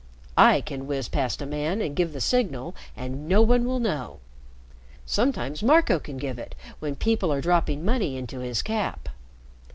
I can whiz past a man and give the sign and no one will know. Some times Marco can give it when people are dropping money into his cap.